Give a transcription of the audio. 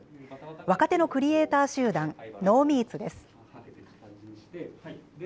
若手のクリエーター集団ノーミーツです。